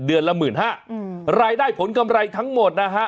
ละหมื่นห้าอืมรายได้ผลกำไรทั้งหมดนะฮะ